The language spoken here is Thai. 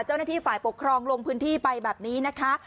เจ้าหน้าที่ฝ่ายปกครองลงพื้นที่ไปแบบนี้นะคะ